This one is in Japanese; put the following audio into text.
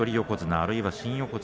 あるいは新横綱